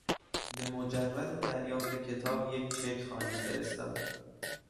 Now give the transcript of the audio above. به مجرد دریافت کتاب یک چک خواهیم فرستاد.